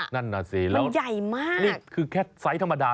นั่นน่ะสิแล้วใหญ่มากนี่คือแค่ไซส์ธรรมดา